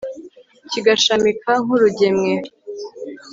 kigashamika nk'urugemwe